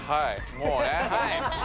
もうね。